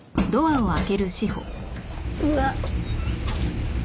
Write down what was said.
うわっ。